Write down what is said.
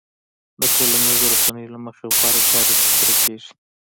د ټولنيزو رسنيو له مخې غوره چارې ترسره کېږي.